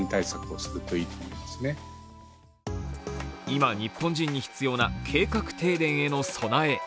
今、日本人に必要な計画停電への備え。